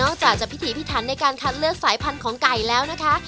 จากจะพิถีพิถันในการคัดเลือกสายพันธุ์ของไก่แล้วนะคะ